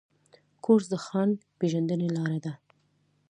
کورس د ځان پېژندنې لاره ده.